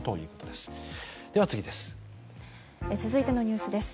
では、次です。